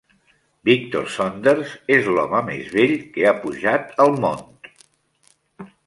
Victor Saunders és l'home més vell que ha pujat al Mont